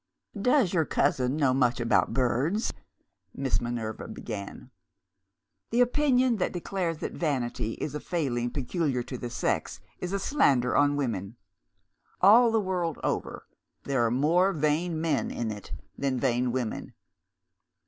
"Does your cousin know much about birds?" Miss Minerva began. The opinion which declares that vanity is a failing peculiar to the sex is a slander on women. All the world over, there are more vain men in it than vain women.